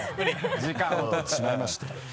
時間を取ってしまいまして。